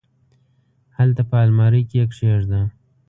هلته په المارۍ کي یې کښېږده !